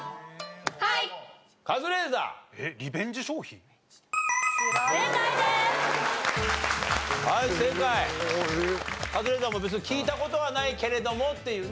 カズレーザーも別に聞いた事はないけれどもっていうね。